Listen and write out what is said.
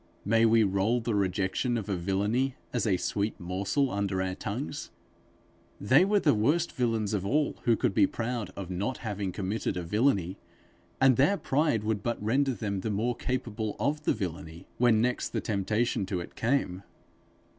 May we roll the rejection of a villainy as a sweet morsel under our tongues? They were the worst villains of all who could be proud of not having committed a villainy; and their pride would but render them the more capable of the villainy, when next the temptation to it came.